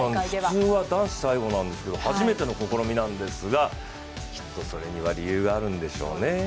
普通は男子が最後なんですけど、初めての試みなんですが、きっとそれには理由があるんでしょうね。